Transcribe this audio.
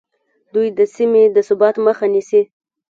دوی د سیمې د ثبات مخه نیسي